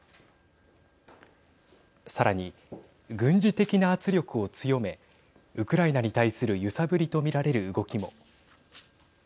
さらに、軍事的な圧力を強めウクライナに対する揺さぶりと見られる動きも。